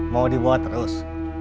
mau dibawa terus